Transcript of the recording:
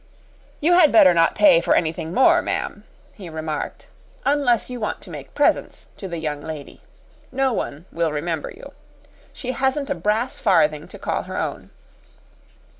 "You had better not pay for anything more, ma'am," he remarked, "unless you want to make presents to the young lady. No one will remember you. She hasn't a brass farthing to call her own."